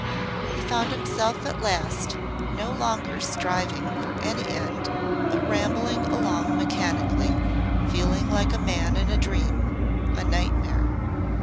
He found himself at last no longer striving for any end, but rambling along mechanically, feeling like a man in a dream a nightmare.